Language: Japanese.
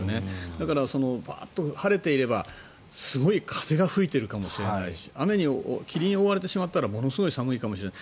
だから、パーッと晴れていればすごい風が吹いているかもしれないし霧に覆われてしまったらものすごく寒いかもしれない。